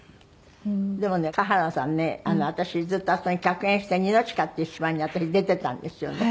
でもね賀原さんね私ずっとあそこに客演して『ニノチカ』っていう芝居に私出てたんですよね。